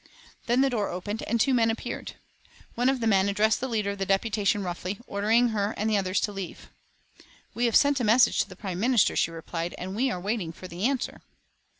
Then the door opened and two men appeared. One of the men addressed the leader of the deputation, roughly ordering her and the others to leave. "We have sent a message to the Prime Minister," she replied, "and we are waiting for the answer."